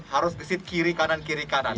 harus disip kiri kanan kiri kanan